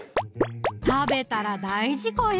食べたら大事故よ！